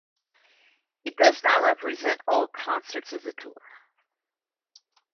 It does not represent all concerts of the tour.